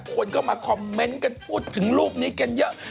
คนก็มาคอมเมนต์กันพูดถึงรูปนี้กันเยอะ